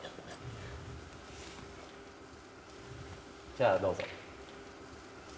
じゃあどうぞ。